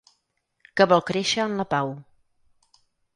Que vol créixer en la pau.